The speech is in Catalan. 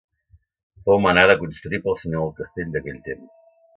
Fou manada construir pel senyor del castell d'aquell temps.